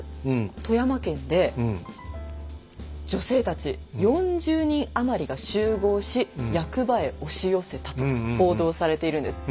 富山県で「女性たち４０人余りが集合し役場へ押し寄せた」と報道されているんです。